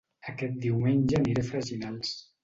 Aquest diumenge aniré a Freginals